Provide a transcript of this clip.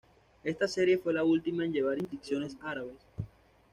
Esta serie fue la última en llevar inscripciones árabes.